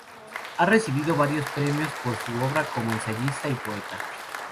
Ha recibido varios premios por su obra como ensayista y poeta.